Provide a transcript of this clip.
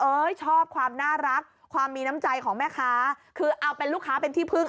ชอบความน่ารักความมีน้ำใจของแม่ค้าคือเอาเป็นลูกค้าเป็นที่พึ่ง